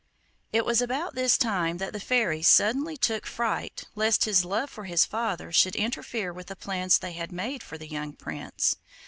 It was about this time that the fairies suddenly took fright lest his love for his father should interfere with the plans they had made for the young prince.